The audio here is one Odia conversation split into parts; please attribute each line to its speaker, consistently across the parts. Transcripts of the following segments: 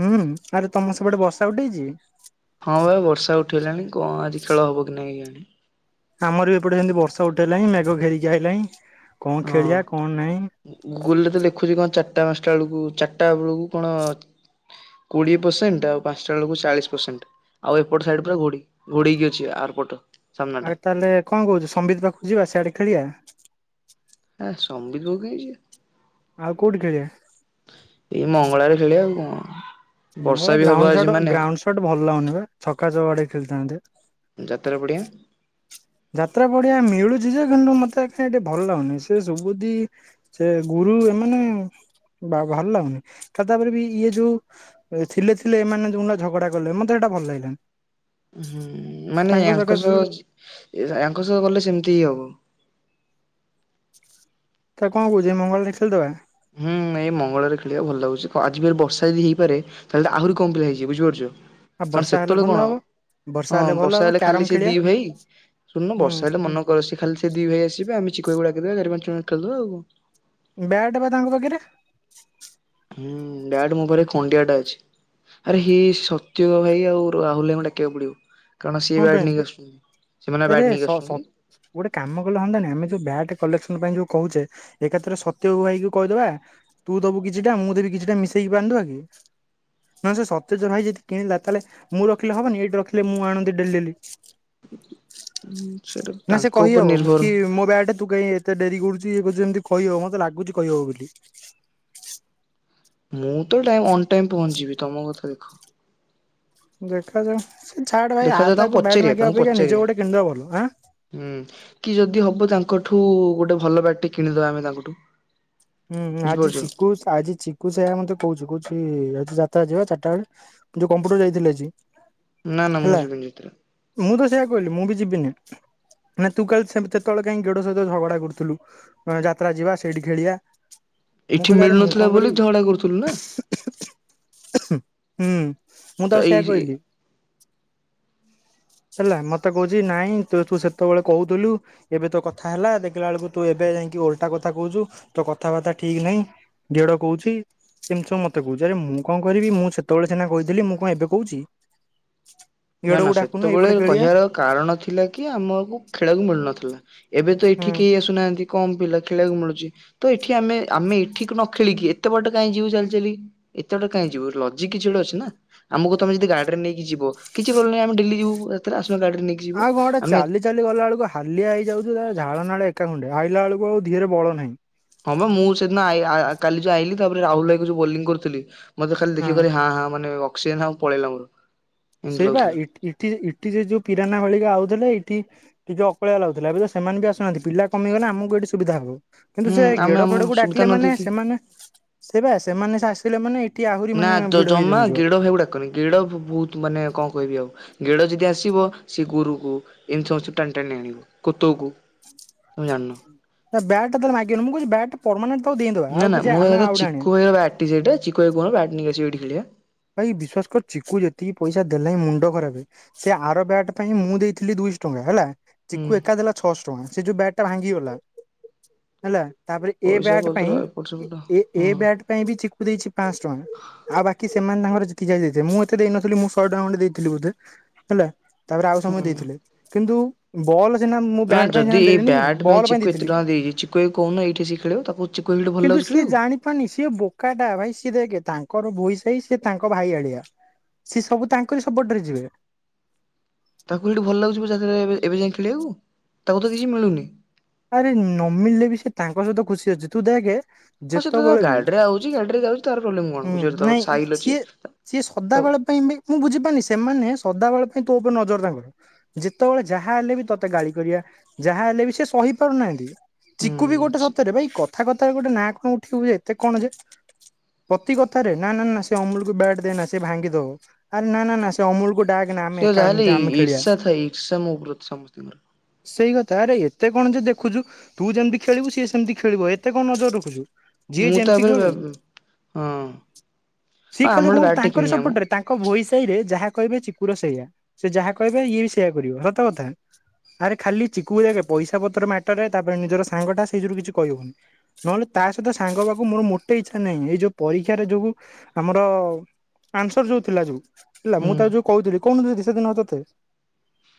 Speaker 1: ହୁଁ ଆରେ ତମ ସେପଟେ ବର୍ଷା ଉଠେଇଚି?
Speaker 2: ହଁ ବା ବର୍ଷା ଉଠିଗଲାଣି କଣ ଆଜି ଖେଳ ହବ କି ନାଇଁ କେଜାଣି
Speaker 1: ଆମର ବି ଏପଟେ ଏମିତି ବର୍ଷା ଉଠେଇଲାଇଁ ମେଘ ଘେରିକି ଆଇଲାଇଁ କଣ
Speaker 2: ହଁ।
Speaker 1: ଖେଳିବା କଣ ନାଇଁ
Speaker 2: ଗୁଗୁଲରେ ତ ଲେଖୁଚି କଣ ଚାରିଟା ପାଞ୍ଚଟା ବେଳକୁ ଚାରିଟା ବେଳକୁ କଣ କୋଡ଼ିଏ ପରସେଣ୍ଟ ଆଉ ପାଞ୍ଚଟା ବେଳକୁ ଚାଳିଶ ପରସେଣ୍ଟ ଆଉ ଏପଟ ସାଇଡ ପୁରା ଘଡେଇକି ଘୋଡେଇକି ଅଛି ଆରପଟ
Speaker 1: ଆଉ ତାହେଲେ କଣ କହୁଚୁ ସମ୍ବିତ ପାଖକୁ ଯିବା ସିଆଡେ ଖେଳିଆ?
Speaker 2: ହେ ସମ୍ବିତ ପାଖକୁ କାଇଁ ଯିବା?
Speaker 1: ଆଉ କୋଉଠି ଖେଳିବା?
Speaker 2: ଏଇ ମଙ୍ଗଳାରେ ଖେଳିଆଉ କଣ। ବର୍ଷା
Speaker 1: ମଙ୍ଗଳା
Speaker 2: ବି ହବ
Speaker 1: ଗ୍ରାଉଣ୍ଡ
Speaker 2: ଆଜି
Speaker 1: ସଟ
Speaker 2: ମାନେ
Speaker 1: ଗ୍ରାଉଣ୍ଡ ସଟ ଭଲ ଲାଗୁନି ବେ ଛକା ଚଉକା ଟିକେ ଖେଳିଥାନ୍ତେ।
Speaker 2: ଯାତ୍ରା ପଡ଼ିଆ?
Speaker 1: ଯାତ୍ରା ପଡିଆ ମିଳୁଚି ଯେ କିନ୍ତୁ ମତେ କାଇଁ ଟିକେ ଭଲ ଲାଗୁନି। ସେ ସୁବୁଧି ସେ ଗୁରୁ ଏମାନେ ଭଲ ଲାଗୁନି ତ ତାପରେ ବି ଇଏ ଯୋଉ ଥିଲେ ଥିଲେ ଏମାନେ ଯଉଁଟା ଝଗଡା କଲେ ମତେ ସେଇଟା ଭଲ ଲାଗିଲାନି।
Speaker 2: ହୁଁ ମାନେ
Speaker 1: ତାଙ୍କ
Speaker 2: ଆଙ୍କ
Speaker 1: ସକାଶେ
Speaker 2: ସହ ଆଙ୍କ ସହ ଗଲେ ସେମିତି ହି ହବ।
Speaker 1: ତାହେଲେ କଣ କହୁଚୁ ଏଇ ମଙ୍ଗଳରେ ଖେଳିଦେବା?
Speaker 2: ହୁଁ ଏଇ ମଙ୍ଗଳାରେ ଖେଳିବା ଭଲ ଲାଗୁଚି। କ ଆଜି ବର୍ଷା ଫେର ହେଇପାରେ ତାହେଲେ ତ ଆହୁରି କମ୍ ପିଲା ହେଇଯିବେ ବୁଝିପାରୁଚ।
Speaker 1: ଆଉ
Speaker 2: କାରଣ
Speaker 1: ବର୍ଷା ହେଲେ
Speaker 2: ସେତେବେଳେ
Speaker 1: ଭଲ
Speaker 2: କଣ
Speaker 1: ହବ। ବର୍ଷା
Speaker 2: ହଁ
Speaker 1: ଭଲ ହବ
Speaker 2: ବର୍ଷା ହେଲେ
Speaker 1: କ୍ୟାରମ
Speaker 2: ଖାଲି ସେ
Speaker 1: ଖେଳିବା
Speaker 2: ଦି ଭାଇ ଶୁଣୁନ ବର୍ଷା
Speaker 1: ହୁଁ
Speaker 2: ହେଲେ ମନ କ ସେ ଖାଲି ସେ ଦି ଭାଇ ଆସିବେ ଆମେ ଚିକୁଆକୁ ଡାକି ଦବା ଚାରି ପାଞ୍ଚଜଣ ଖେଳିଦବା ଆଉ।
Speaker 1: ବ୍ୟାଟ୍ ବା ତାଙ୍କ ପାଖରେ।
Speaker 2: ହୁଁ ବ୍ୟାଟ ମୋ ପାଖରେ ଖଣ୍ଡିଆଟା ଅଛି। ଆରେ ହେ ସତ୍ୟ ଭାଇ ଆଉ ରାହୁଲ ଭାଇଙ୍କୁ ଡାକିବାକୁ ପଡିବ। କାରଣ ସିଏ
Speaker 1: କଣ
Speaker 2: ବ୍ୟାଟ୍
Speaker 1: ପାଇଁ
Speaker 2: ନେଇକି ଆସୁଚନ୍ତି ସେମାନେ ପା
Speaker 1: ଆରେ
Speaker 2: ବ୍ୟାଟ୍
Speaker 1: ସ
Speaker 2: ନେଇକି
Speaker 1: ସ
Speaker 2: ଆସୁଚନ୍ତି।
Speaker 1: ଗୋଟେ କାମ କଲେ ହଅନ୍ତାନି ଆମେ ଯୋଉ ବ୍ୟାଟ୍ କଲେକ୍ସନ ପାଇଁ ଯୋଉ କହୁଚେ ଏକାଥରେ ସତ୍ୟ ଭାଇକୁ କହିଦବା ତୁ ଦବୁ କିଛିଟା ମୁଁ ଦେବି କିଛିଟା ମିଶେଇକି ବାନ୍ଧିଦବାକି? ନହେଲେ ସେ ସତେଜ ଭାଇ ଯଦି କିଣିଲା ତାହେଲେ ମୁଁ ରଖିଲେ ହବନି ଏଠି ରଖିଲେ ମୁଁ ଆଣ୍ ନ୍ତି ଡେଲି ଡେଲି
Speaker 2: ସେଇଟା
Speaker 1: ନା ସେ
Speaker 2: ତାଙ୍କ ଉପରେ
Speaker 1: କହିହବ
Speaker 2: ନିର୍ଭର।
Speaker 1: କି ମୋ ବ୍ୟାଟ ତୁ କାଇଁ ଏତେ ଡରି କରୁଚି ଏମିତି କହିବ ମତେ ଲାଗୁଚି କହିବ ବୋଲି।
Speaker 2: ମୁଁ ତ ଟାଇମ ଅନଟାଇମ ପହଞ୍ଚିବି ତମ କଥା ଦେଖ।
Speaker 1: ଦେଖାଯାଉ ସେ ଛାଡ ଭାଇ ଆ
Speaker 2: ଦେଖାଯାଉ
Speaker 1: ତା
Speaker 2: ତାଙ୍କୁ
Speaker 1: କୁ ବ୍ୟାଟ୍
Speaker 2: ପଚାରିବା
Speaker 1: ମାଗିବା
Speaker 2: ତାଙ୍କୁ
Speaker 1: ଅପେକ୍ଷା ନିଜ
Speaker 2: ପଚାରିବା
Speaker 1: ଗୋଟେ କିଣିଦବା ଭଲ। ଆଁ?
Speaker 2: ହୁଁ କି ଯଦି ହବ ତାଙ୍କଠୁ ଗୋଟେ ଭଲ ବ୍ୟାଟଟେ କିଣିଦବା ଆମେ ତାଙ୍କଠୁ।
Speaker 1: ହୁଁ ଆଜି
Speaker 2: ବୁଝିପାରୁଛ।
Speaker 1: ଶିଖୁସ୍ ଆଜିି ଚିକ୍ କୁ ସେୟା ମତେ କହୁଚୁ କହୁଚି ଇ ଆଜି ଯାତ୍ରା ଯିବା ଚାରିଟା ବେଳେ ଯୋଉ କମ୍ପ୍ୟୁଟର ଯାଇଥିଲି ଆଜି।
Speaker 2: ନା ନା ମୁଁ
Speaker 1: ହେଲା
Speaker 2: ଯିବିନି ଯାତ୍ରା।
Speaker 1: ମୁଁ ତ ସେଇଆ କହିଲି ମୁଁ ବି ଯିବିନି। ନା ତୁ କାଲି ସେତେବେଳେ କାହିଁ ଗେଡ ସହିତ ଝଗଡା କରୁଥିଲୁ ଯାତ୍ରା ଯିବା ସେଇଠି ଖେଳିବା [inaudible] ମୁଁ
Speaker 2: ଏଇଠି
Speaker 1: କହିଲି ଆରେ ମୁଁ କଣ
Speaker 2: ମିଳୁନଥିଲା ବୋଲି
Speaker 1: କରିବି
Speaker 2: ଝଗଡା କରୁଥିଲୁ ନା।
Speaker 1: ହୁଁ ମୁଁ
Speaker 2: ତ ଏଇ
Speaker 1: ତାକୁ ସେୟା କହିଲି। ହେଲା ମତେ କହୁଚି ନାଇଁ ତୁ ତୁ ସେତେବେଳେ କହୁଥିଲୁ ଏବେ ତ କଥା ହେଲା ଦେଖିଲା ବେଳକୁ ତୁ ଏବେ ଯାଇକି ଓଲଟା କଥା କହୁଚୁ ତୋ କ କଥାବାର୍ତ୍ତା ଠିକ ନାହିଁ ଗେଡ କହୁଚି। [unintelligible] ମତେ କହୁଛି ଆରେ ମୁଁ କଣ କରିବି ମୁଁ ସେତେବେଳେ ସିନା କହିଥିଲି ମୁଁ କଣ ଏବେ କହୁଚି।
Speaker 2: ନା ନା ସେତେବେଳେ କହିବାର କାରଣ ଥିଲା କି ଆମକୁ ଖେଳିବାକୁ ମିଳୁନଥିଲା ଏବେ ତ
Speaker 1: ହୁଁ
Speaker 2: ଏଠି କେହି ଆସୁନାହାନ୍ତି। କମ ପିଲା ଖେଳିବାକୁ ମିଳୁଛି ତ ଏଠି ଆମେ ଆମେ ଏଠି ନ ଖେଳିକି ଏତେ ବାଟ କାହିଁ ଯିବୁ ଚାଲି ଚାଲିକି। ଏତେବେଟେ କାହିଁ ଯିବୁ ଲଜିକ କିଛି ଗୋଟେ ଅଛି ନା। ଆମକୁ ତମେ ଯଦି ଗାଡି ରେ ନେଇକି ଯିବ କିଛି [unintelligible] ଆମେ ଜିବୁ ଏଥର [unintelligible] ଗାଡି ନେଇକି। ଯିବୁ।
Speaker 1: ଆଉ କଣ ଏଟା
Speaker 2: ଆମେ
Speaker 1: ଚାଲିଚି ଚାଲି ଗଲା ବେଳକୁ ହାଲିଆ ହେଇଯାଉଛି ତା ଝାଳ ନାଳ ଏକା ଖୁଣ୍ଡେ ଆଇଲା ବେକୁ ଆଉ ଧିହରେ ବଳ ନାହିଁ।
Speaker 2: ହଁ ମ ମୁଁ ସେଦିନ ଆ। - ଆ-କାଲି ଯୋଉ ଆଇଲି ତାପରେ ରାହୁଲ ଭାଇ ଯୋଉ ବୋଲିଂ କରିୁଥିଲି। ମତେ ଖାଲି ଦେଖିକରି ହଁ ହଁ ମାନେ ଅକ୍ସିଜେନ ହ ପଳେଇଲା ମୋର। ଏମିତି
Speaker 1: ସେଇ ପା
Speaker 2: ଲାଗୁଥିଲା।
Speaker 1: ଏଠି ଏଠି ଏଠି ଯୋଉ ବାଠି ଇଠି ସେ ଯୋଉ ପିରାନା ଭଳିିକା ଆଉଥିଲେ ଏଠି କିଛି ଅକଳିଆ ଲାଗୁଥିଲା ବି ତ ସେମାନେ ବି ଆସୁନାହାନ୍ତି ପିଲା କମିଗଲେ ଆମକୁ ଏଠି ସୁବିଧା ହବ। କିନ୍ତୁ
Speaker 2: ହୁଁ
Speaker 1: ସେ
Speaker 2: ଆମେ
Speaker 1: ଗେଡ
Speaker 2: ଆମ
Speaker 1: ଫେଡକୁ
Speaker 2: ସୁବିଧା
Speaker 1: ଡାକିଲେ
Speaker 2: ନ
Speaker 1: ମାନେ
Speaker 2: ଦେଖିକି
Speaker 1: ସେମାନେ ସେଇ ବା ସେମାନେ ସେ ଆସିଲେ ମାନେ ଏ
Speaker 2: ନା ଜ ଜମା ଗେଡ ଭାଇକୁ ଡାକନି ଗେଡ ବହୁତ ମାନେ କଣ କହିବି ଆଉ ଗେଡ଼ ଯଦି ଆସିବ ସେ ଗୋରୁକୁ ଏମିତି ସମସ୍ତ ଙ୍କୁ ଟାଣି ଟାଣି ଆଣିବ କୋତକୁ ତୁମେ ଜାଣିନ
Speaker 1: ବ୍ୟାଟ ଟା ତାର ମାଗିବାନି ମୁଁ କହୁଛି ବ୍ୟାଟ ଟା ପରମାନେଣ୍ଟ ଦେଇଦେବା
Speaker 2: ନା
Speaker 1: ଆଉ
Speaker 2: ନା
Speaker 1: କିଛି
Speaker 2: ମୋ କହିବା
Speaker 1: ଆମେ
Speaker 2: କଥା
Speaker 1: ଆଉ ଗୋଟେ
Speaker 2: ଚିକୁ
Speaker 1: ଆଣିବା।
Speaker 2: [unintelligible] ଚିକୁ ଭାଇ କୁ କହୁନ ବ୍ୟାଟ ନେଇକି ଆସିବେ ଏଠି ଖେଳିବା।
Speaker 1: ଭାଇ ବିଶ୍ଵାସ କର ଚିକୁ ଯେତିକି ପଇସା ଦେଲାଣି ମୁଣ୍ଡ ଖରାପ। ସେ ଆର ବ୍ୟାଟ ପାଇଁ ମୁଁ ଦେଇଥିଲି ଦୁଇଶହ ଟଙ୍କା ହେଲା।
Speaker 2: ହୁଁ।
Speaker 1: ଚିକୁ ଏକା ଦେଲା ଛଅଶହ ଟଙ୍କା ସେ ଯୋଉ ବ୍ୟାଟ ଟା ଭାଙ୍ଗିଗଲା। ହେଲା ତାପରେ ଏ
Speaker 2: ପଇସା
Speaker 1: ବ୍ୟାଟ
Speaker 2: ପତ୍ର
Speaker 1: ପାଇଁ
Speaker 2: ଏପଟ ସେପଟ
Speaker 1: ଏ ଏ
Speaker 2: ହୁଁ
Speaker 1: ବ୍ୟାଟ ପାଇଁ ବି ଚିକୁ ଦେଇଛି ପାଆଁସ ଟଙ୍କା ଆଉ ବାକି କି ସେମାନେ ତାଙ୍କର ଯ ଦେଇଥିଲେ ମୁଁ ଏତେ ଦେଇ ନଥିଲି ମୁଁ ଦେଇଥିଲି ବୋଧେ ହେଲା। ତାପରେ ଆଉ ସମୟ ଦେଇଥିଲେ କିନ୍ତୁ ବଲ୍ ସିନା ମୁଁ
Speaker 2: ହଁ
Speaker 1: ବ୍ୟାଟ୍ ପାଇଁ ସିନା
Speaker 2: ଯଦି ଏଇ
Speaker 1: ଦେଲିନି କି
Speaker 2: ବ୍ୟାଟ୍
Speaker 1: ବଲ୍
Speaker 2: ପାଇଁ ଚିକୁ ଏତେ
Speaker 1: ଦେଇଥିଲି
Speaker 2: ଟଙ୍କା ଦେଇଛି ଚିକୁ କହୁନ ଏଇଠି ସି ଖେଳିବ ତାକୁ ଚିକୁ ଭାଇ କୁ ଭଲ
Speaker 1: କିନ୍ତୁ
Speaker 2: ଲାଗୁଛି
Speaker 1: ସିଏ
Speaker 2: ଖେଳିବାକୁ।
Speaker 1: ଜାଣିପାରୁନି ସିଏ ବୋକାଟା ଭାଇ ସିଏ ଦେଖ୍ ତାଙ୍କର ପଇସା ସେଇ ସେ ତାଙ୍କ ଭାଇ ଆଳିଆ ସିଏ ସବୁ ତାଙ୍କରି ସପୋର୍ଟ ରେ ଯିବେ।
Speaker 2: ତାକୁ ହେଠୁ ଭଲ ଲାଗୁଛି [unintelligible] ଏବେ ଯାଇ ଖେଳିବାକୁ ତାକୁ ତ କିଛି ମିଳୁନି।
Speaker 1: ଆରେ ନମିିଳିଲେ ବି ସେ ତାଙ୍କ ସହିତ ଖୁସି ଅଛି ତୁ ଦେଖେ
Speaker 2: ହଁ ସେ ତ
Speaker 1: ଯେତେବେଳେ ବି
Speaker 2: ଗାଡିରେ ଆଉଚି ଗାଡି ରେ ଯାଉଛି ତାର ପ୍ରୋବ୍ଲେମ କଣ?
Speaker 1: ହୁଁ
Speaker 2: ବୁଝିପାରୁଛ ତା
Speaker 1: ନାଇଁ
Speaker 2: ସାଇଲ ଅଛି।
Speaker 1: ସିଏ ସିଏ
Speaker 2: ତ
Speaker 1: ସଦା ବେଳ ପାଇଁ ବି ମୁଁ ବୁଝିପାରୁନି ସେମାନେ ସଦାବେଳେ ପାଇଁ ତୋ ଉପରେ ନଜର ତାଙ୍କର ଯେତେବେଳେ ଯାହା ହେଲେ ବି ତତେ ଗାଳି କରିବା ଯାହା ହେଲେ ବି ସେ ସହି ପାରୁନାହାନ୍ତି। ଚିକୁ ବି ଗୋଟେ
Speaker 2: ହୁଁ
Speaker 1: ସତରେ ଭାଇ କଥା କଥାରେ ଗୋଟେ ନାଁ କଣ ଉଠିବୁ ଏତେ କଣ ଯେ ପ୍ରତି କଥାରେ ନା ନା ସେ ଅମୁଲକୁ ବ୍ୟାଟ ଦେ ନା ସେ ଭାଙ୍ଗି ଦଉ ଆରେ ନ ନା ସେ ଅମୁଳକୁ ଡାକ ନା ଆମେ
Speaker 2: ସେ
Speaker 1: ଏକା
Speaker 2: ଯାହାହେଲେ
Speaker 1: ଏମିତି ଆମେ ଖେଳିବା।
Speaker 2: ଇର୍ଷା ଥାଏ ଇର୍ଷା ମୋ ଉପରେ ସମସ୍ତଙ୍କର
Speaker 1: ସେଇ କଥା ଆରେ ଏତେ କଣ ଯେ ଦେଖୁଛୁ ତୁ ଯେମିତି ଖେଳିବୁ ସିଏ ସେମିତି ଖେଳିବ ଏତେ କଣ ନଜର ରଖୁଛୁ। ଯିଏ
Speaker 2: ମୁଁ
Speaker 1: ଯେମିତି
Speaker 2: ତାପରେ
Speaker 1: ଖେଳୁ
Speaker 2: ହଁ
Speaker 1: ସିଏ
Speaker 2: ଆମର
Speaker 1: ଖାଲେ
Speaker 2: ଗୋଟେ
Speaker 1: କହୁ
Speaker 2: ବ୍ୟାଟ ଟେ
Speaker 1: ତାଙ୍କରି
Speaker 2: କିଣିବା ମ
Speaker 1: ସପୋର୍ଟରେ ତାଙ୍କ ଭୋଇ ସାହି ରେ ଯାହା କହିବେ ଚିକୁର ସେଇୟା ସେ ଯାହା କହିବେ ଇଏ ବି ସେଇୟା କରିବ ସତ କଥା। ଆରେ ଖାଲି ଚିକୁ ଦେଖେ ପଇସା ପତ୍ର ମ୍ୟାଟର ତାପରେ ନିଜର ସାଙ୍ଗ ଟା ସେଇ ଯୋଗୁରୁ କିଛି କହିହେଉନି। ନହେଲେ ତା ସହିତ ସାଙ୍ଗ ହେବାକୁ ମୋର ମୋଟେ ଇଛା ନାଇଁ ଏଇ ଯୋଉ ପରୀକ୍ଷାରେ ଯୋଉ ଆମର ଆନ୍ସର ଯୋଉ ଥିଲା ଯୋଉ ହେଲା
Speaker 2: ହୁଁ
Speaker 1: ମୁଁ ତା ଯୋଉ କହୁଥିଲି କହୁନଥିଲି କି ସେଦିନ ତୋତେ।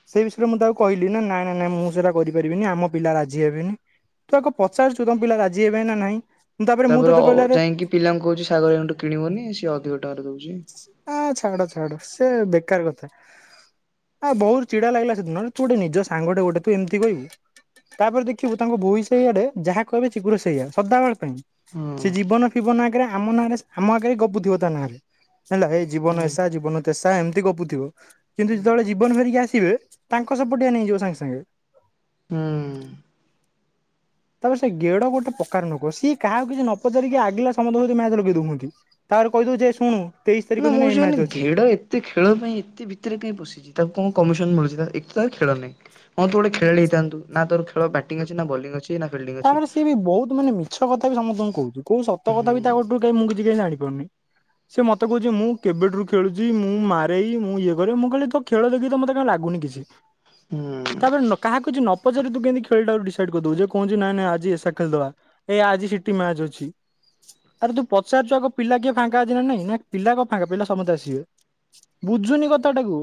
Speaker 1: ସେଇ ବିଷୟରେ ମୁଁ ତାକୁ କହିଲି ନା ନାଇଁ ନାଇଁ ନାଇଁ ମୁଁ ସେଇଟା କରିପାରିବିନି ଆମ ପିଲା ରାଜି ହେବେନି। ତୁ ତାକୁ ପଚାରୁଛୁ ତ ତମ ପିଲା ରାଜି ହେବେ ନା ନାହିଁ ମୁଁ ତାପରେ ମୁଁ ତୋତେ କହିଲ ଆରେ
Speaker 2: ପିଲାଙ୍କୁ କହୁଛି ଶାଗର ଏଇଟୁ କିଣିବନି ସିଏ ଅଧିକ ଟଙ୍କାରେ ଦଉଛି।
Speaker 1: ହଁ ଛାଡ ଛାଡ ସେ ବେକାର କଥା। ଆ ବହୁତ ଚିଡ଼ା ଲାଗିଲା ସେଦିନ ତୁ ଗୋଟେ ନିଜ ସାଙ୍ଗଟେ ଗୋଟେତୁ ତୁ ଗୋଟେ ଏମତି କହିବୁ। ତାପରେ ଦେଖିବୁ ତାଙ୍କ ବୋଇ ସେଇଆଡେ ଯାହା କହିବେ ଚିଗୁର ସେଇଆ ସଦାବେଳ ପାଇଁ
Speaker 2: ହଁ
Speaker 1: ସେ ଜୀବନ। ଥିବ ନାଁ କେରେ ଆମ ନାଁରେ ଆମ ଆଗରେ ଗବୁ ଥିବ ତା ନାଁରେ। ହେଲା ଏ ଜୀବନ
Speaker 2: ହୁଁ ହୁଁ
Speaker 1: ଏସା ଜୀବନ ତେସା ଏମିତି ଗପୁଥିବୁ। କିନ୍ତୁ ଯେତେବେଳେ
Speaker 2: ହୁଁ
Speaker 1: ଜୀବନ ଫେରିକ ଆସିବେ ତାଙ୍କ ସପୋଟିୟା ନେଇଯିବ ସାଙ୍ଗେ ସାଙ୍ଗେ।
Speaker 2: ହୁଁ।
Speaker 1: ତାପରେ ସେ ଗେଡ ଗୋଟେ ପକାର ନୋକ। ସିଏ କାହାକୁ କିଛି ନ ପଚାରିକି ଆଗିଲା ସମସ୍ତଙ୍କସଇତ ମ୍ୟାଚ୍ ଲଗେଇ ଦଉନକି। ତାର କହିଦେଉ ଜେ ଶୁଣୁ
Speaker 2: ନା ମୁଁ
Speaker 1: ଏଇ ମ୍ୟାଚ୍
Speaker 2: ଜାନନୀ
Speaker 1: ଅଛି
Speaker 2: ଘେଡ଼ ଏ ଏତେ ଖେଳ ପାଇଁ ଏତେ ଭିତରେ କାଇଁ ପଶିଚି ତାକୁ କଣ କମିଶନ ମିଳୁଚି ତା? ଏକତା ଖେଳ ନେଇଁ। ହଁ ତୁଗୋଟେ ଖେଳାଳି ହେଇଥାନ୍ତୁ ନା ତୋର ଖେଳ ବ୍ୟାଟିଂ ଅଛି ନା ବୋଲିଂ ଅଛି। ନା ଫିଲ୍ଡିଂ ଅଛି
Speaker 1: ତାପରେ ସିଏ ବି ବହୁତ ମାନେ ମିଛ କଥା ବି ସମସ୍ତଙ୍କୁ କଉଚି କୋଉ ସତ
Speaker 2: ହୁଁ
Speaker 1: କଥା ବି ତାଙ୍କଠୁ କାଈ ମୁଁ କିଛି କାଇଁ ଜାଣିପାରୁନେଇଁ। ସେ ମତେ କଉଚି ମୁଁ କେବେଠୁରୁ ଖେଳୁଚି ମୁଁ ମାରେଇ ମୁଁ ଇଏ କରେ। ମୁଁ କଇଲି ତୋ ଖେଳ ଦେଖିକିତ ମତେ କାଇଁ ଲାଗୁନି କିଛି।
Speaker 2: ହୁଁ।
Speaker 1: ତାପରେ ନ କାହାକୁ କିଛି ନ ପଚିରି ତୁ କେମିତି ଖେଳଟା କୁ ଡିସାଇଡ କରଦୋଉଚୁ। କଉଜି ନାଇଁ ନାଇଁ ଆଜି ଏସା ଖେଲ ଦବା। ଏ ଆଜି ସେଠି ମ୍ୟାଚ୍ ଅଛି। ଆରେ ତୁ ପଚାରିଚୁ ଆଗ ପିଲା କିଏ ଫାଙ୍କା ଅଛି ନା ନାଇଁ। ନା ପିଲା କଣ ଫାଙ୍କା ପିଲା ସମସ୍ତେ ଆସିବେ। ବୁଝୁନି କଥାଟାକୁ।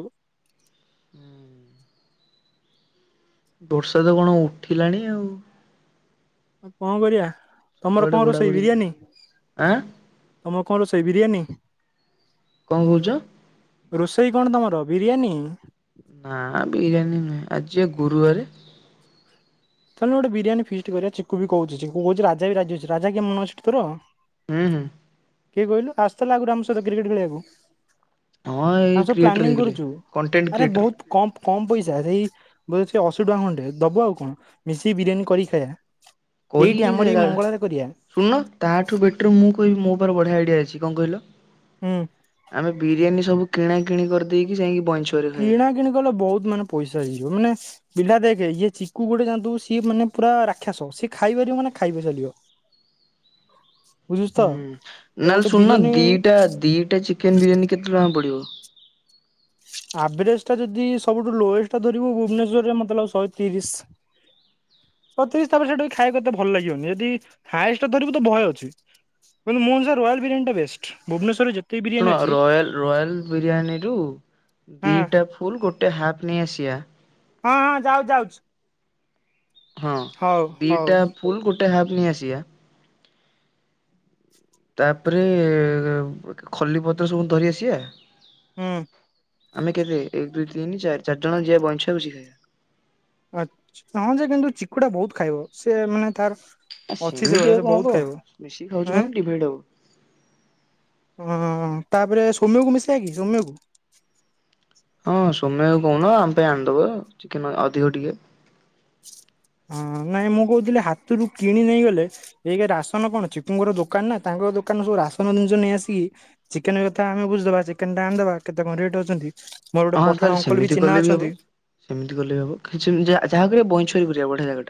Speaker 2: ହୁଁ। ବର୍ଷା ତ କଣ ଉଠିଲାଣି ଆଉ।
Speaker 1: କଣ କରିବା ତମର
Speaker 2: ସବୁଆଡେ
Speaker 1: କଣ
Speaker 2: ଘୋଡା
Speaker 1: ରୋଷେଇ
Speaker 2: ଘୋଡି
Speaker 1: ବିରିୟାନୀ?
Speaker 2: ଗଲାଣି ଆଁ
Speaker 1: ତମର କଁ ରୋଷେଇ ବିରିୟାନୀ?
Speaker 2: କଣ କଉଚ?
Speaker 1: ରୋଷେଇ କଣ ତମର ବିରିୟାନୀ?
Speaker 2: ନା ବିରିୟାନୀ ନୁହେଁ। ଆଜି ବା ଗୁରୁବାରେ।
Speaker 1: ଚାଲୁନୁ ଗୋଟେ ବିରିୟାନୀ ଫିଷ୍ଟ୍ କରିବା। ଚିକୁ ବି କୋଉଚିଚିକୁ କୋଉଚି ରାଜା ବି ରାଜି ଅଛି। ରାଜା କିଏ ମନଅଛିଟି ତୋର?
Speaker 2: ହୁଁ ହୁଁ।
Speaker 1: କିଏ କଇଲୁ ଆସଥିଲା ଆଗରୁ ଆମ ସଇତ କ୍ରିକେଟ୍ ଖେଳିବାକୁ।
Speaker 2: ହଁ ଏଇ
Speaker 1: ଆମେ ସବୁ
Speaker 2: କ୍ରିଏଟର
Speaker 1: ପ୍ଲାନିଂ
Speaker 2: ହେଇଗଲେ
Speaker 1: କରୁଚୁ।
Speaker 2: କଣ୍ଟେଣ୍ଟ
Speaker 1: ଆରେ
Speaker 2: କ୍ରିଏଟର
Speaker 1: ବହୁତ କମ୍ବ କମ୍ ପଇସା ଏଇ ବୋଲେ ସେ ଅଶି ଟଙ୍କା ଖଣ୍ଡେ। ଦବୁ ଆଉ କଣ ମିଶିକି ବିରିୟାନୀ କରିକି ଖାଇବା? ଏଇଠି
Speaker 2: କରିକି
Speaker 1: ଆମର
Speaker 2: କିଏ
Speaker 1: ଏଇ
Speaker 2: ଖାଇଏରା।
Speaker 1: ମଙ୍ଗଳାରେ କରିବା
Speaker 2: ଶୁଣୁନ ତାଠୁ ବେଟର ମୁଁ କଇବି ମୋ ପାଖରେ ବଢିଆ ଆଇଡିଆ ଅଛି କଣ କଇଲ?
Speaker 1: ହୁଁ।
Speaker 2: ଆମେ ବିରିୟାନୀ ସବୁ କିଣା କିଣି କରଦେଇକି ଯାଇକି ବଇଞ୍ଚ
Speaker 1: କିଣା କିଣି କଲେ ବହୁତ ମାନେ ପଇସା ହେଇଯିବ। ମାନେ ପିଲା ଦେଖେ ଇଏ ଚିକୁ ଗୋଟେ ଯାଣଥିବୁ ସିଏ ମାନେ ପୁରା ରାକ୍ଷାସ। ସିଏ ଖାଇପାରିବ ମାନେ ଖାଇଵା ସରିବ। [unintelligible]
Speaker 2: ହୁଁ ନହେଲେ ଶୁନୁନ ଦିଟା ଦିଟା ଚିକେନ ବିରିୟାନୀ କେତେ ଟଙ୍କା ପଡିବ?
Speaker 1: ଆଭରେଜ ଟା ଯଦି ସବୁଠୁ ଲୋଏଷ୍ଟା ଧରିବୁ ଭୁବନେଶ୍ଵରରେ ମତେ ଲାଗୁଚି ଶହେ ତିରିଶ। ମୋତେବି ତାପରେ ସେଠି ଖାଇବାକୁ ଏତେ ଭଲ ଲାଗିବନି। ନେଦି ହାଇଏଷ୍ଟ ଧରିବୁ ତ ବହେ ଅଛି। କିନ୍ତୁ ମୁଁ ସେ ରୟାଲ ବିରିୟାନୀ ଟା ବେଷ୍ଟ। ଭୁବନେଶ୍ୱରରେ ଜେତ
Speaker 2: ଶୁଣ ରୟାଲ ରୟାଲ୍ ବିରିୟାନୀରୁ
Speaker 1: ହଁ
Speaker 2: ଦିଟା ଫୁଲ୍ ଗୋଟେ ହାଫ୍ ନେଇ ଆସିବା।
Speaker 1: ହଁ ହଁ ଯାଉଚି ଯାଉଚି।
Speaker 2: ହଁ
Speaker 1: ହଉ
Speaker 2: ଦିଟା ଫୁଲ୍ ଗୋଟେ ହାଫ୍ ନେଇ ଆସିବା। ତାପରେ ଖଲି ପତ୍ର ସବୁ ଧରି ଆସିବା।
Speaker 1: ହୁଁ
Speaker 2: ଆମେ କେତେ ଏକ, ଦୁଇ, ତିନି, ଚାରି, ଚାର୍ ଜଣ ଯିବା ବଇଁଛଆକୁଛି।
Speaker 1: ଆଚ୍ ହଁ ଯେ କିନ୍ତୁ ଚକୁଟା ବୋହୁତ ଖାଇବ। ସିଏ ମାନେ ତାର
Speaker 2: ଆ
Speaker 1: ଅଛି
Speaker 2: ସିମିତି
Speaker 1: ସେଭଳିଆ
Speaker 2: ଆଉ
Speaker 1: ସେ
Speaker 2: କଁ
Speaker 1: ବହୁତ
Speaker 2: ହବ।
Speaker 1: ଖାଇବ
Speaker 2: ମିଶିକି ଖାଉଚୁ
Speaker 1: ଆଁ
Speaker 2: ମାନେ ଡିଭାଇଡ୍ ହବ।
Speaker 1: ଅଁ ତାପରେ ସୋମ୍ୟକୁ ମିଶେଇଆ କି ସୋମ୍ୟକୁ।
Speaker 2: ହଁ ସୋମ୍ୟକୁ କହୁନ ଆମ ପାଇଁ ଆଣିଦବ, ଚିକେନ୍ ଅ ଅଧିକ ଟିକେ।
Speaker 1: ଆଁ ନାଇଁ ମୁଁ କଉଥିଲି ହାତୁରୁ କିଣି ନେଇଗଲେ ଏକ୍ ରେ ରାସନ କଣ ଚିକୁୁଙ୍କର ଦୋକାନ ନା ତାଙ୍କ ଦୋକାନରୁ ସବୁ ରାସନ ଜିନିଷ ନେଇଆସିକି ଚିକେନ୍ କଥା ଆମେ ବୁଝିଦବା। ଚିକେନଟା ଆଣିଦବା, କେତେ କଁ ରେଟ୍ ଅଛନ୍ତି? ମୋର ଗୋଟେ
Speaker 2: ହଁ
Speaker 1: ପଠାଣ
Speaker 2: ତାହେଲେ
Speaker 1: ଅଙ୍କଲ୍ ବି
Speaker 2: ସେମିତି
Speaker 1: ଚିହ୍ନା
Speaker 2: କଲେ ହବ।
Speaker 1: ଅଛନ୍ତି।
Speaker 2: ସେମିତି କଲେ ବି ହବ। ଖିଚିଂ ଯା ଯାହା କରିବା ବଇଁଛୁଆ ହିଁ କରିବା, ବଢିଆ ଜାଗା।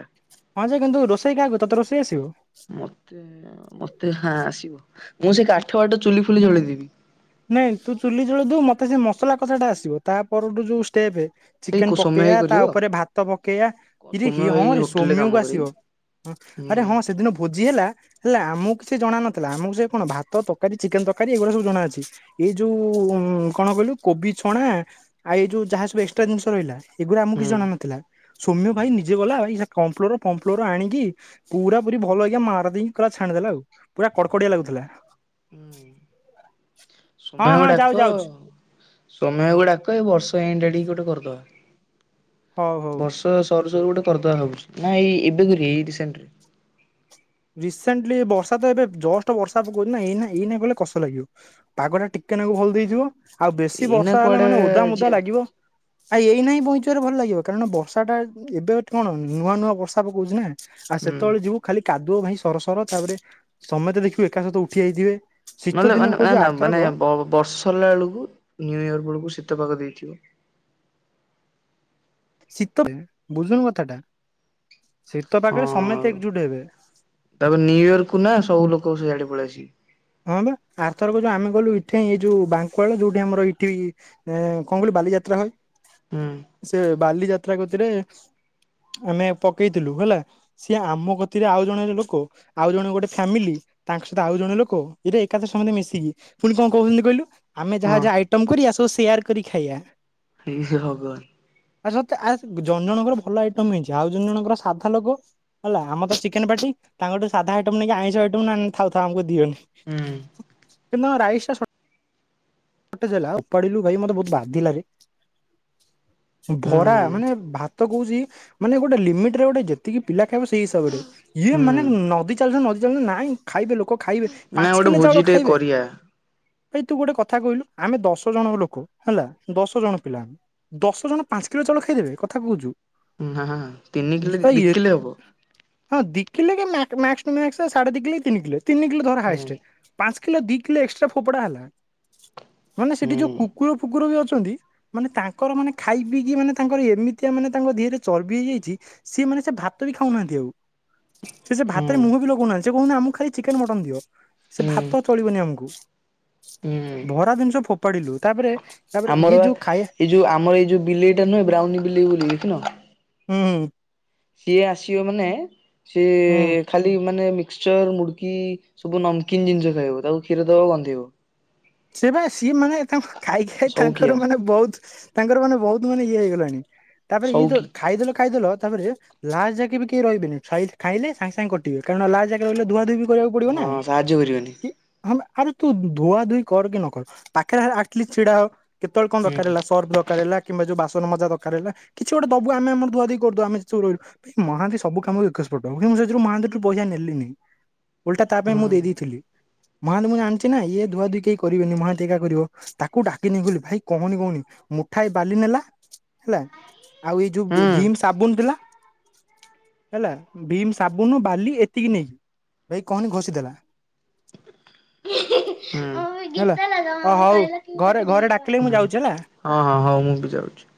Speaker 1: ହଁ ଯେ କିନ୍ତୁ ରୋଷେଇ କାହାକୁ ତତେ ରୋଷେଇ ଆସିବ।
Speaker 2: ମତେ, ମତେ ହାଁ ଆସିବ। ମୁଁ ସେଇ କାଠ ଫାଠ ଚୁଲି ଫୁଲି ଜଳେଇଦେବି।
Speaker 1: ନାଇଁ ତୁ ଚୁଲି ଜଳେଇଦବୁ ମତେ ସେ ମସଲା କଷାଟା ଆସିବ। ତା ପରୁଠୁ ଯୋଉ ଷ୍ଟେପ୍
Speaker 2: ସେଇ
Speaker 1: ଚିକେନ
Speaker 2: ସୋମ୍ୟ ଭାଇ
Speaker 1: ପକେଇଆ ତା
Speaker 2: କରିବ।
Speaker 1: ଉପରେ ଭାତ ପକେଇଆ। ଇରେ
Speaker 2: ସୋମ୍ୟ
Speaker 1: ହି
Speaker 2: ଭାଇ
Speaker 1: ହଁ ରେ
Speaker 2: ହୋଟେଲରେ କାମ
Speaker 1: ସୋମ୍ୟକୁ
Speaker 2: କରେ କି
Speaker 1: ଆସିବ। ହଁ ଆରେ
Speaker 2: ହୁଁ
Speaker 1: ହଁ ସେଦିନ ଭୋଜି ହେଲା ହେଲା ଆମୁକୁ କିଛି ଜଣା ନଥିଲା। ଆମୁକୁ ସେଇ କଣ ଭାତ, ତକାରୀ, ଚିକେନ ତରକାରୀ ଏଇଗୁଡା ସବୁ ଜଣା ଅଛି। ଏ ଯୋଉ ଉଁ କଣ କଇଲୁ କୋବି ଛଣା ଆଉ ଏଇ ଯୋଉ ଯାହା ସବୁ ଏକ୍ସଟ୍ରା ଜିନିଷ ରହିଲା। ଏଗୁରା ଆମୁକୁ କିଛି
Speaker 2: ହୁଁ।
Speaker 1: ଜଣା ନଥିଲା। ସୋମ୍ୟ ଭାଇ ନିଜେ ଗଲା [unintelligible] କମ୍ଫ୍ଲର୍ ଫମ୍ଫ୍ଲର୍ ଆଣିକି ପୁରା ପୁରି ଭଲକି ମାର୍ ଦେଇକି ପୁରା ଛାଣିଦେଲା ଆଉ। ପୁରା କଡକଡିଆ ଲାଗୁଥିଲା। ହଁ
Speaker 2: ସୁମାକୁ
Speaker 1: ହଁ ଯାଉ
Speaker 2: ଡାକ।
Speaker 1: ଯାଉଛି
Speaker 2: ସୋମ୍ୟାକୁ ଡାକ ଏ ବର୍ଷ ଏଣ୍ଡ୍ ଆଡିକି ଗୋଟେ କରିଦବା।
Speaker 1: ହଉ ହଉ।
Speaker 2: ତ ସରୁ ସରୁ ଗୋଟେ କରିଦବା ଭାବୁଥିଲି। ନା ଏଇ ଏବେ କରିବା ଏଇ ରିସେଣ୍ଟରେ
Speaker 1: ରିସେଣ୍ଟ୍ଲି ବର୍ଷା ତ ଏବେ ଜଷ୍ଟ ବର୍ଷା ପକଉଚି ନା, ଏଇନା ଏଇନା କଲେ କଷ ଲାଗିବ। ପାଗଟା ଟିକେ ନାକୁ ଭଲ୍ ଦେଇଥିବ। ଆଉ ବେଶୀ
Speaker 2: ଏଇନା
Speaker 1: ବର୍ଷା ହେଲେ
Speaker 2: କୁଆଡେ
Speaker 1: ମାନେ ଓଦା ମୋଦା
Speaker 2: ଯିବା
Speaker 1: ଲାଗିବ। ଆଉ ଏଇନା ବି ବୋହୁତ ଜୋରେ ଭଲ ଲାଗିବ। କାରଣ ବର୍ଷାଟା ଏବେ କଣ ନୂଆ ନୂଆ ବର୍ଷା ପକଉଚି ନା। ଆ
Speaker 2: ହୁଁ।
Speaker 1: ସେତବେଳେ ଯିବୁ ଖାଲି କାଦୁଅ ଭାଇ ସରସର। ତାପରେ ସମେତେ ଦେଖିବୁ ଏକା ସହିତ ଉଠି ଆଇଥିବେ।
Speaker 2: ନହେଲେ ଅନା ଆନା ମାନେ ବ-ବର୍ଷ ସରିଲା ବେଳୁକୁ ନ୍ୟୁ ଇୟର ବେଳୁକୁ ଶୀତ ପାଗ ଦେଇଥିବ।
Speaker 1: ଶୀତରେ। ବୁଝୁନ କଥାଟା। ଶୀତ ପାଗେରେ
Speaker 2: ହଁ
Speaker 1: ସମେତେ ଏକ୍ଜୁଟ୍ ହେବେ।
Speaker 2: ତାପରେ ନ୍ୟୁ ଇୟରକୁ ନା ସବୁ ଲୋକ ସିଆଡେ ପଳି ଆସିବେ।
Speaker 1: ହଁ ବା ଆର ଥରକ ଯୋଉ ଆମେ ଗଲୁ ଇଠେଇଁ, ଏ ଯୋଉ ବାଙ୍କୁଆଳ ଯୋଉଠେ ଆମର ଇଠେଇଁ ଏଁ କଁ କଇଲୁ ବାଲିଯାତ୍ରା ହଏ।
Speaker 2: ହୁଁ
Speaker 1: ସେ ବାଲିଯାତ୍ରା କତିରେ ଆମେ ପକେଇଥିଲୁ ହେଲା। ସିଏ ଆମ କତିରେ ଆଉ ଜଣେ ଲୋକ, ଆଉ ଜଣେ ଗୋଟେ ଫ୍ୟାମିଲି ତାଙ୍କ ସହିତ ଆଉ ଜଣେ ଲୋ କ ଇରେ ଏକାଥରେ ସମତେ ମିଶିକି ପୁଣି କଣ କହୁଥିଲି କହିଲୁ? ଆମେ ଯାହା
Speaker 2: ହଁ
Speaker 1: ଯାହା ଆଇ ଟମ୍ କରିଆ ସବୁ ସେୟାର କରି ଖାଇଆ।
Speaker 2: ହେଇ ସେ ଭଗବାନ୍।
Speaker 1: ଆଚ୍ଛା ତ ଆ ଜଣ ଜଣଙ୍କର ଭଲ ଆଇଟମ୍ ହେଇଚି। ଆଉ ଜଣ ଜଣଙ୍କର ସାଧା ଲୋକ। ହେଲା ଆମର ତ ଚିକେନ୍ ପାଟି। ତାଙ୍କ ଠୁ ସାଧା ଆଇଟମ୍ ନେଇକି ଆଇଁଷ ଆଇଟମ୍ ନା ନା ଥାଉ ଥାଉ ଆମୁକୁ ଦିଅନି।
Speaker 2: ହୁଁ।
Speaker 1: ସେଦିନ ରାଇସ୍ ଟା ସ ସର୍ଟେଜ୍ ହେଲା ଫୋପାଡିଲୁ ଭାଇ ମତେ ବହୁତ ବାଧିଲାରେ। ଭରା
Speaker 2: ହୁଁ।
Speaker 1: ମାନେ ଭା ତ କହୁଚି ମାନେ ଗୋଟେ ଲିମିଟରେ ଗୋଟେ ଯେ ଯେତିକି ପିଲା ଖାଇବ ସେଇ ହିସାବରେ। ଇଏ
Speaker 2: ହୁଁ
Speaker 1: ମାନେ ନଦି ଚାଲିଚନ୍ତି ନଦି ଚାଲିଚନ୍ତି ନାଇଁ ଖାଇବେ ଲୋକ। ଖାଇବେ
Speaker 2: ନା
Speaker 1: ପାଞ୍ଚ
Speaker 2: ଗୋଟେ
Speaker 1: କିଲେ ଚାଉଳ
Speaker 2: ଭୋଜି ଟେ
Speaker 1: ଖାଇବେ।
Speaker 2: କରିବା।
Speaker 1: ଭାଇ ତୁ ଗୋଟେ କଥା କଇଲୁ। ଆମେ ଦଶ ଜଣ ଲୋକ ହେଲା, ଦଶ ଜଣ ପିଲା। ଦଶ ଜଣ ପାଞ୍ଚ କିଲ ଚାଉଳ ଖାଇଦେବେ କଥା କଉଚୁ।
Speaker 2: ହାଁ ହଁ ତିନି କିଲେ କି ଦି କିଲେ ହବ?
Speaker 1: ହଁ ଦି କିଲେ କି ମାକ୍ ମ୍ୟାକ୍ସ ଟୁ ମ୍ୟାକ୍ସ ସାଢେ ଦି କିଲେ କି ତିନି କିଲେ ତିନି କିଲେ ଧର
Speaker 2: ହୁଁ
Speaker 1: ହାଏଷ୍ଟେ। ପାଞ୍ଚ କିଲୋ ଦି କିଲୋ ଏକ୍ସଟ୍ରା ଫୋପଡା ହେଲା ମାନେ ସେଠି ଯୋଉ
Speaker 2: ହୁଁ
Speaker 1: କୁକୁର ଫୁକୁର ବି ଅଛନ୍ତି ମାନେ ତାଙ୍କର ମାନେ ଖାଇ ପିଇକି ମାନେ ତାଙ୍କର ଏମିତିଆ ମାନେ ତାଙ୍କ ଦେହରେ ଚର୍ବି ହେଇଯାଇଛି ସିଏ ମାନେ ସେ ଭାତ ବି ଖାଉନାହାନ୍ତି ଆଉ। ସେ ସେ
Speaker 2: ହୁଁ
Speaker 1: ଭାତରେ ମୁହଁ ବି ଲଗଉନାହାନ୍ତି ସେ କହୁଚନ୍ତି ଅମା କୁ ଖାଲି ଚିକେନ୍ ମଟନ୍ ଦିଅ ସେ ଭାତ
Speaker 2: ହୁଁ
Speaker 1: ଚଳିବନି ଆମକୁ
Speaker 2: ହୁଁ।
Speaker 1: ଭରା ଜିନିଷ ଫୋପାଡ଼ିଲୁ ତାପରେ ତାପରେ
Speaker 2: ଆମର
Speaker 1: ଇଏ
Speaker 2: ବା
Speaker 1: ଯୋଉ ଖାଇଆ
Speaker 2: ଏଇ ଯଉ ଆମର ଏ ଯେଉ ବିଲେଇଟା ନୁହେଁ ବ୍ରାଉନି ବିଲେଇ ବୋଲି ଦେଖିନ?
Speaker 1: ହଁ ହଉ।
Speaker 2: ସିଏ ଆସିବ ମାନେ
Speaker 1: ହୁଁ
Speaker 2: ସିଏ ଖାଲି ମାନେ ମିକ୍ସଚର ମୁଡ଼୍କି ସବୁ ନମକିନ୍ ଜିନିଷ ଖାଇବ ତାକୁ କ୍ଷୀର ଦବା କୁ ଗନ୍ଧେଇବ।
Speaker 1: ସେ ପା ସିଏ ମାନେ ତାଙ୍କ ଖାଇ ଖାଇ ତାଙ୍କର
Speaker 2: ସଉକିଆ
Speaker 1: ମାନେ ବହୁତ୍ ତାଙ୍କର ମାନେ ବହୁତ୍ ମାନେ ଇଏ ହେଇଗଲାଣି ତାପରେ ଇଏ ଦଉ
Speaker 2: ସଉକି
Speaker 1: ଖାଇଦେଲ ଖାଇଦେଲ ତାପରେ ଲାଜ ଜାକେ ବି କେହି ରହିବେନି ଖାଇ ଖାଇଲେ ସାଙ୍ଗେ ସାଙ୍ଗେ କଟିବେ କାରଣ ଲାଜ ଜାକେ ରହିଲେ ଧୁଆ ଧୁବି କରିବାକୁ ପଡିବ ନା
Speaker 2: ହଁ ସାହାଯ୍ୟ କରିବନି
Speaker 1: କି। ହଁ ବା ଆରେ ତୁ ଧୁଆ ଧୁଇ କର କି ନ କର ପାଖରେ ହେଲେ ଆଟଲିଷ୍ଟ୍ ଛିଡା ହ। କେତେବେଳେ କଣ ଦରକାର
Speaker 2: ହୁଁ
Speaker 1: ହେଲା ସର୍ଫ ଦରକାର ହେଲା କିମ୍ବା ଯୋଉ ବାସନ ମଜା ଦରକାର ହେଲା କିଛି ଗୋଟେ ଦବୁ ଆମେ ଆମର ଧୁଆ ଦୁଇ କରି ଦବୁ ଆମେ ଯେତେ ସବୁ ରହିଲୁ। ମହାନ୍ତି ସବୁ କାମରେ ଏକସ୍ ପଟ ମୁଁ ସେଯୋଉ ମହାନ୍ତି ଠୁ ପଇସା ନେଲିନି ଓଲଟା ତା ପାଇଁ ମୁଁ
Speaker 2: ହୁଁ
Speaker 1: ଦେଇଦେଇଥିଲି ମହାନ୍ତି ମୁଁ ଜାଣିଛି ନା ଇଏ ଧୁଆ ଧୁଇ କେଇ କରିବେନି ମହାନ୍ତି ଏକା କରିବ ତାକୁ ଡାକିନେଇଗଲି ଭାଇ କହନି କହନି ମୁଠାଏ ବାଲି ନେଲା ହେଲା ଆଉ ଏଇ ଯୋଉ
Speaker 2: ହୁଁ
Speaker 1: ବି ଭୀମ ସାବୁନ୍ ଥିଲା ହେଲା ଭୀମ୍ ସାବୁନୁ ବାଲି ଏତିକି ନେଇ ଭାଇ କହନି ଘଷିଦେଲା। [unintelligible]
Speaker 2: [inaudible]
Speaker 1: ହେଲା
Speaker 2: ଗୀତା ଲାଗାମ
Speaker 1: ଅ
Speaker 2: ଆମୁକୁ
Speaker 1: ହଉ
Speaker 2: କହିଲା କି
Speaker 1: ଘରେ
Speaker 2: ଗୋଟେ
Speaker 1: ଘରେ
Speaker 2: ଭିଡିଓ
Speaker 1: ଡାକିଲେ ମୁଁ
Speaker 2: ଆଣି
Speaker 1: ଯାଉଛି ହେଲା।
Speaker 2: ହଁ ହଁ ହଉ ମୁଁ ବି ଯାଉଛି।